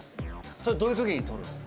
それどういうときに撮るの？